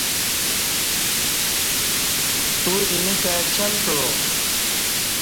تو اینہ کای چل کعا